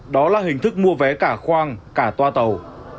đó là hình thức mua vé cả khoang cả toa tàu